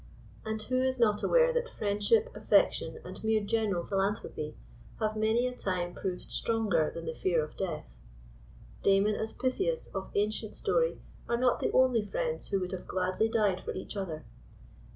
And who is not aware that friendship, affection and mere general philanthropy have many a time proved stronger than the fear of death ? Damon and Pythias of ancient story are not the only friends who would have gladly died for each other.